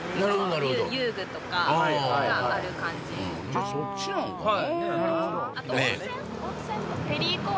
じゃあそっちなんかな。